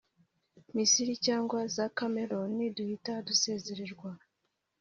Misiri cyangwa za Cameroun duhita dusezererwa